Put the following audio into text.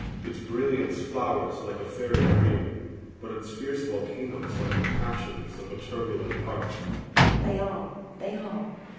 Its brilliant flowers look like a fairy dream—but its fierce volcanoes like the passions of a turbulent heart. AGATHOS. They are!—they are!